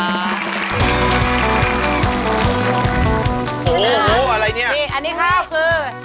โอ้โหอะไรเนี่ยนี่อันนี้ข้าวคือ